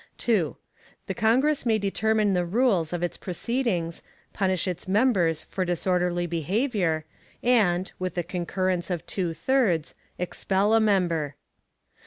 2. The Congress may determine the rules of its proceedings, punish its members for disorderly behavior, and, with the concurrence of two thirds, expel a member.